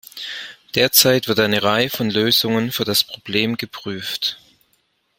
Derzeit wird eine Reihe von Lösungen für das Problem geprüft.